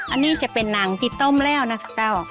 อันนี้จะเป็นหนังที่ต้มแล้วนะเต้า